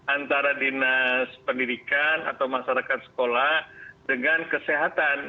antara dinas pendidikan atau masyarakat sekolah dengan kesehatan